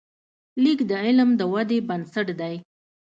لیک د علم د ودې بنسټ دی.